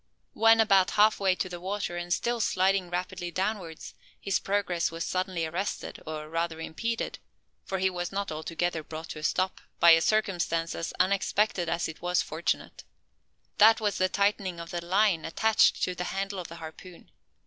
When about half way to the water, and still sliding rapidly downwards, his progress was suddenly arrested, or rather impeded, for he was not altogether brought to a stop, by a circumstance as unexpected as it was fortunate. That was the tightening of the line attached to the handle of the harpoon.